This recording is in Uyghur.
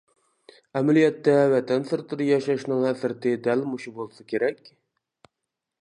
ئەمەلىيەتتە ۋەتەن سىرتىدا ياشاشنىڭ ھەسرىتى دەل مۇشۇ بولسا كېرەك.